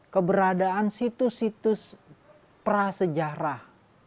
keberadaan situs situs prasejarah